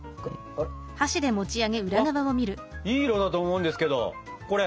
あっいい色だと思うんですけどこれ。